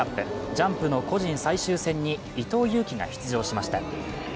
ジャンプの個人最終戦に伊藤有希が出場しました。